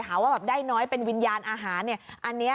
หาว่าแบบได้น้อยเป็นวิญญาณอาหารเนี่ยอันนี้